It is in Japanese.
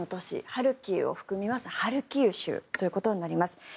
ハルキウを含みますハルキウ州ということになります。